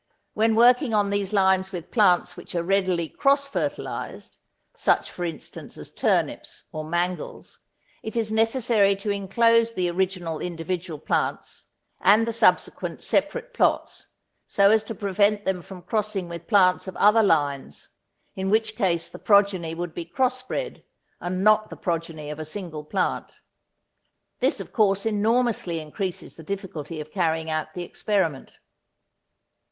When working on these lines with plants which are readily cross fertilised, such for instance as turnips or mangels, it is necessary to enclose the original individual plants, and the subsequent separate plots, so as to prevent them from crossing with plants of other lines, in which case the progeny would be cross bred and not the progeny of a single plant. This of course enormously increases the difficulty of carrying out the experiment.